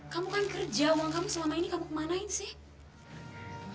kamu kan kerja uang kamu selama ini kamu kemanain sih